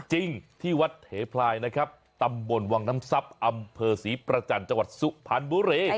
จริงที่วัดเทพลายนะครับตำบลวังน้ำทรัพย์อำเภอศรีประจันทร์จังหวัดสุพรรณบุรี